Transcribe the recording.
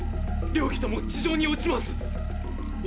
両機とも地上に落ちます。